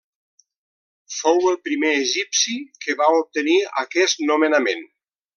Fou el primer egipci que va obtenir aquest nomenament.